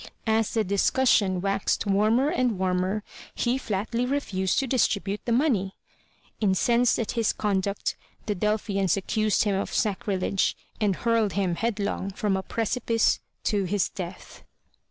As the discussion waxed warmer and warmer, he flatly refused to dis tribute the money. Incensed at his conduct, the Delphians ac cused him of sacrilege and hurled him headlong from a precipice to his death.